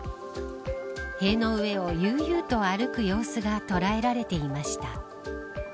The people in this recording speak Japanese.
塀の上を悠々と歩く様子が捉えられていました。